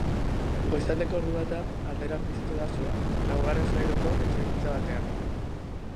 Goizaldeko ordubata aldera piztu da sua, laugarren solairuko etxebizitza batean.